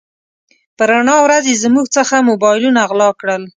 په رڼا ورځ يې زموږ څخه موبایلونه غلا کړل.